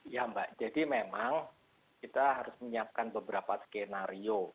ya mbak jadi memang kita harus menyiapkan beberapa skenario